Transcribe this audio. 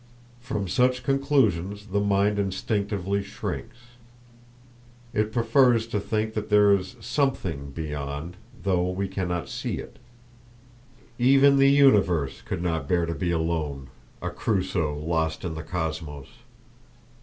From such conclusions the mind instinctively shrinks. It prefers to think that there is something beyond, though we cannot see it. Even the universe could not bear to be alone—a Crusoe lost in the Cosmos!